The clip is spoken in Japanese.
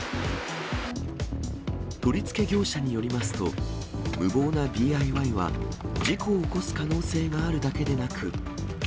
取り付け業者によりますと、無謀なＤＩＹは、事故を起こす可能性があるだけでなく。